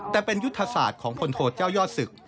แต่เป็นยุทธศาสตร์ของพลโทเจ้ายอดศึก